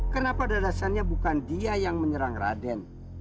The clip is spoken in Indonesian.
kenapa dadasannya bukan dia yang menyerang raden